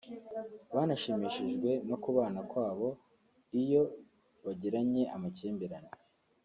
banashimishijwe n’ukubana kwabo iyo bagiranye amakimbirane